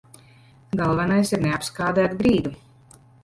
Galvenais ir neapskādēt grīdu.